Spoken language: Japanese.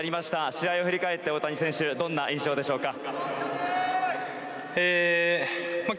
試合を振り返って、大谷選手どんな印象でしょうか？